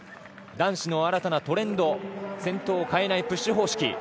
男子の新たなトレンド先頭を変えないプッシュ方式。